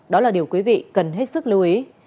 đó là điều quý vị cần hết sức lưu ý